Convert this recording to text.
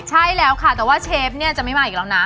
ใช่แล้วค่ะแต่ว่าเชฟเนี่ยจะไม่มาอีกแล้วนะ